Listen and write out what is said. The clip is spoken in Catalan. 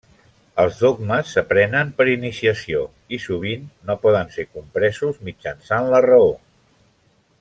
Els dogmes s'aprenen per iniciació, i sovint no poden ser compresos mitjançant la raó.